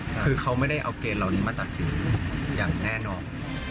คือเขาไม่ได้เอาเกณฑ์เหล่านี้มาตัดสินอย่างแน่นอน